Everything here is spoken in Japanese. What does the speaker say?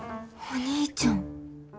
お兄ちゃん。